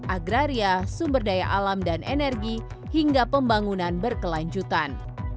agraria sumber daya alam dan energi hingga pembangunan berkelanjutan